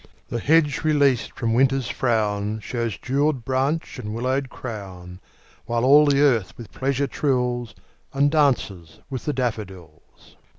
The hedge released from Winter's frown Shews jewelled branch and willow crown; While all the earth with pleasure trills, And 'dances with the daffodils.